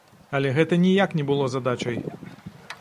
Але гэта ніяк не было задачай.